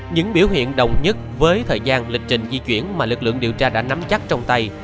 những biểu hiện đồng nhất với thời gian lịch trình di chuyển mà lực lượng điều tra đã nắm chắc trong tay